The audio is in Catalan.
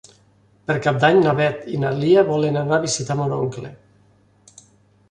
Per Cap d'Any na Beth i na Lia volen anar a visitar mon oncle.